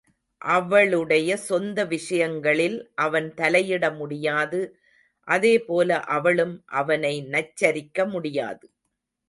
அவளுடைய சொந்த விஷயங்களில் அவன் தலையிட முடியாது அதேபோல அவளும் அவனை நச்சரிக்க முடியாது.